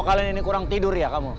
kalian ini kurang tidur ya kamu